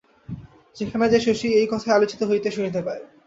যেখানে যায় শশী, এই কথাই আলোচিত হইতে শুনিতে পায়।